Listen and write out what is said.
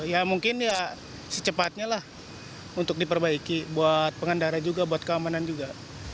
ya mungkin ya secepatnya lah untuk diperbaiki buat pengendara juga buat keamanan juga